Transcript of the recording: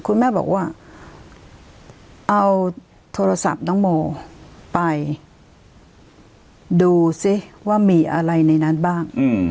คุณแม่บอกว่าเอาโทรศัพท์น้องโมไปดูซิว่ามีอะไรในนั้นบ้าง